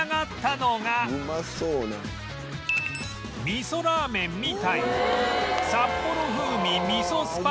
味噌ラーメンみたいな